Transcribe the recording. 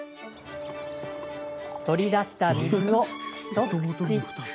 取り出した水を一口。